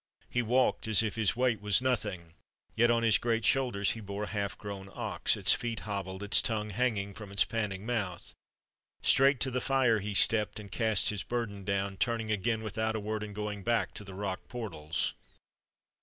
He walked as if his weight was nothing; yet on his great shoulders he bore a half grown ox, its feet hobbled, its tongue hanging from its panting mouth. Straight to the fire he stepped and cast his burden down, turning again without a word and going back to the rock portals.